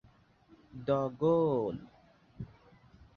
The goal!